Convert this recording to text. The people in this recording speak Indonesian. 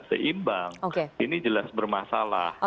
ini jelas berbimbang ini jelas bermasalah